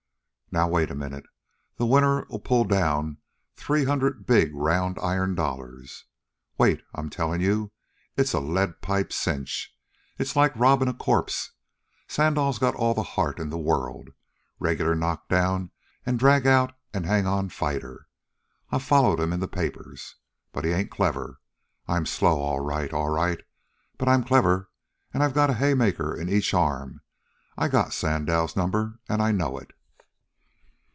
"Now, wait a minute. The winner'll pull down three hundred big round iron dollars. Wait, I 'm tellin' you! It's a lead pipe cinch. It's like robbin' a corpse. Sandow's got all the heart in the world regular knock down an' drag out an' hang on fighter. I've followed 'm in the papers. But he ain't clever. I 'm slow, all right, all right, but I 'm clever, an' I got a hay maker in each arm. I got Sandow's number an' I know it.